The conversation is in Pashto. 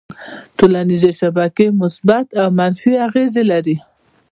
ټولنیزې شبکې مثبت او منفي اغېزې لري.